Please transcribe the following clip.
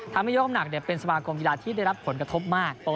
ทำให้ยกลำหนักเป็นสมากรมธุรกิจที่ได้รับผลกระทบมาก